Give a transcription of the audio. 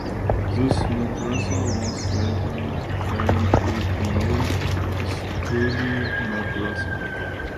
This madrasa was later came to be known as Hooghly Madrasa.